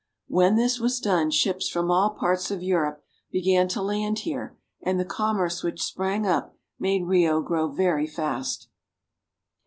When this was done ships from all parts of Europe began to land here, and the commerce which sprang up made Rio grow very fast.